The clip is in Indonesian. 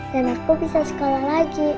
dan aku bisa sekolah lagi